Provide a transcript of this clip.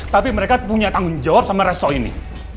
tapi mereka punya tanggung jawab sama resto ini